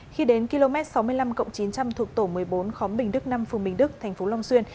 khi đến km sáu mươi năm chín trăm linh thuộc tổ một mươi bốn khóm bình đức năm phường bình đức thành phố long xuyên